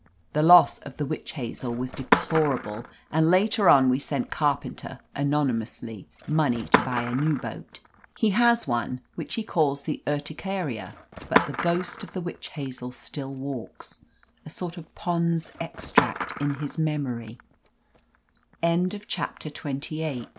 (The loss of the Witch Hazel was deplor able, and later on we sent Carpenter, anony mously, money to buy a new boat. He has one, which he calls the Urticaria, but the ghost of the Witch Hazel still walks, a sort of Pond's Extract in his memor